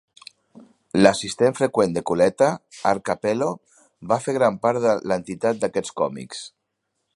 L'assistent freqüent de Colletta, Art Cappello, va fer gran part de l'entintat d'aquests còmics.